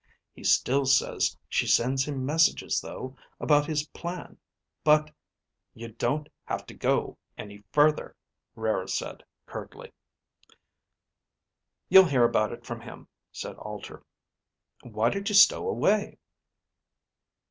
He still says she sends him messages though, about his plan. But ..." "You don't have to go any further," Rara said, curtly. "You'll hear about it from him," said Alter. "Why did you stow away?"